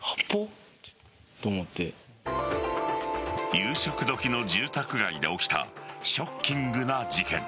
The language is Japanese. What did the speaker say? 夕食どきの住宅街で起きたショッキングな事件。